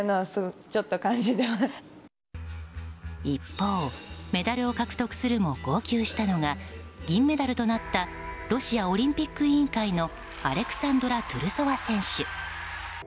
一方、メダルを獲得するも号泣したのが銀メダルとなったロシアオリンピック委員会のアレクサンドラ・トゥルソワ選手。